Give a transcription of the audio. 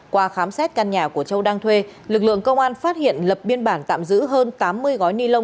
qua khám xét căn nhà của châu đang thuê lực lượng công an phát hiện lập biên bản tạm giữ hơn tám mươi gói ni lông